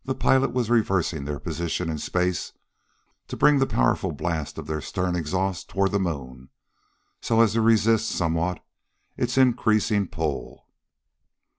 The pilot was reversing their position in space to bring the powerful blast of their stern exhaust toward the moon, so as to resist somewhat its increasing pull.